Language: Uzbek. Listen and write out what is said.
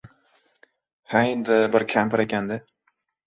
— Ha, endi, bir kampir ekan-da.